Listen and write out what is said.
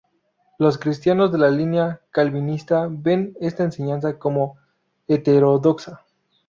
Los cristianos de la línea Calvinista ven esta enseñanza como heterodoxa.